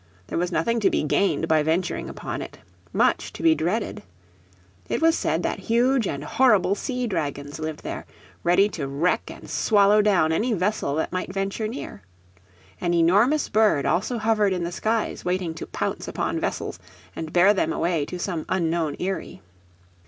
There was nothing to be gained by venturing upon it, much to be dreaded. It was said that huge and horrible sea dragons lived there, ready to wreck and swallow down any vessel that might venture near. An enormous bird also hovered in the skies waiting to pounce upon vessels and bear them away to some unknown eyrie.